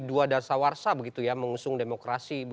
dua dasar warsa begitu ya mengusung demokrasi